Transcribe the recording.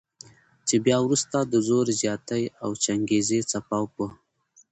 چې بیا وروسته د زور زیاتی او چنګیزي څپاو په